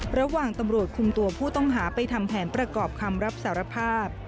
ระหว่างตำรวจคุมตัวผู้ต้องหาไปทำแผนประกอบคำรับสารภาพ